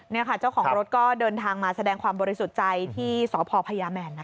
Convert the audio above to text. นี่ค่ะเจ้าของรถก็เดินทางมาแสดงความบริสุทธิ์ใจที่สพพญาแมนนะ